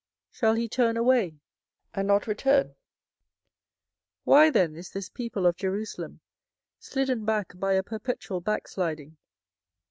shall he turn away, and not return? 24:008:005 Why then is this people of Jerusalem slidden back by a perpetual backsliding?